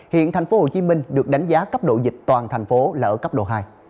hiện tp hcm được đánh giá cấp độ dịch toàn thành phố là ở cấp độ hai